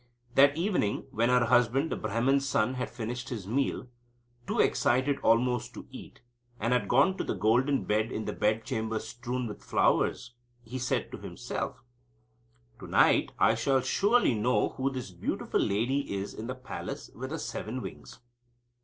That evening when her husband, the Brahman's son, had finished his meal, too excited almost to eat, and had gone to the golden bed in the bed chamber strewn with flowers, he said to himself: "To night I shall surely know who this beautiful lady is in the palace with the seven wings."